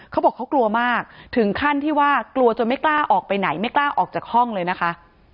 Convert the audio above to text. เขาบอกเขากลัวมากถึงขั้นที่ว่ากลัวจนไม่กล้าออกไปไหนไม่กล้าออกจากห้องเลยนะคะ